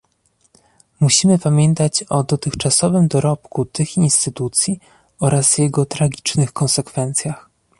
Musimy pamiętać o dotychczasowym dorobku tych instytucji oraz jego tragicznych konsekwencjach